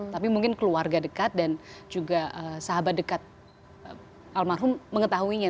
tapi mungkin keluarga dekat dan juga sahabat dekat almarhum mengetahuinya